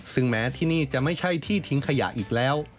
ซึ่งแม้ที่นี่จะไม่ใช่ที่ทิ้งขยะอีกแล้ว